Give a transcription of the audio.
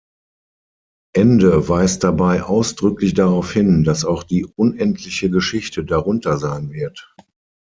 Ende weist dabei ausdrücklich darauf hin, dass auch die Unendliche Geschichte darunter sein wird.